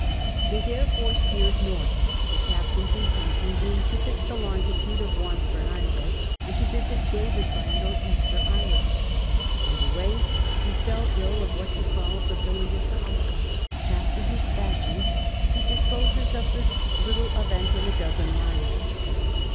They therefore steered north, the captain's inten tion being to fix the longitude of Juan Fernandez, and to visit Uavia Ijand or Easter Island. On the w^ay he fell ill of what ho calls a bilious colic. After his fashion he disposes of this little evemb in a dozen lines.